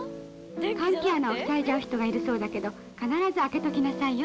換気穴を塞いじゃう人がいるそうだけど、必ず開けておきなさいよ